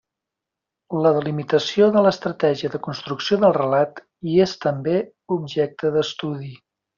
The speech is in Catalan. La delimitació de l'estratègia de construcció del relat hi és també objecte d'estudi.